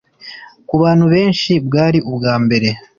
ku bantu benshi bwari ubwa mbere